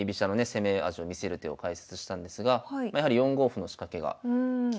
攻め味を見せる手を解説したんですがやはり４五歩の仕掛けが厳しいということで。